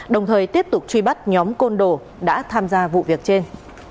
đồng thời tiếp tục truy bắt nhóm côn đồ đã tham gia vụ việc trên